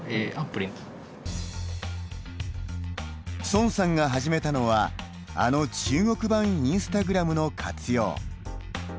孫さんが始めたのはあの中国版インスタグラムの活用。